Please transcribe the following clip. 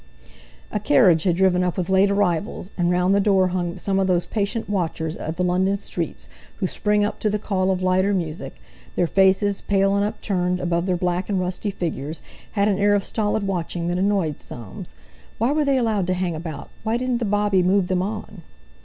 A carriage had driven up with late arrivals, and round the door hung some of those patient watchers of the London streets who spring up to the call of light or music; their faces, pale and upturned above their black and rusty figures, had an air of stolid watching that annoyed Soames. Why were they allowed to hang about; why didn't the bobby move them on?